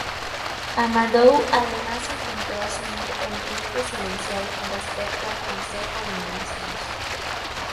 Amadou además intentó asumir el rol presidencial con respecto al Consejo de Ministros.